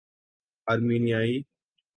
آرمینیائی